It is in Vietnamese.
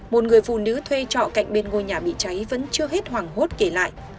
một người phụ nữ thuê trọ cạnh bên ngôi nhà bị cháy vẫn chưa hết hoảng hốt kể lại